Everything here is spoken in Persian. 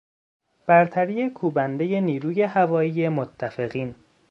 برتری کوبندهی نیروی هوایی متفقین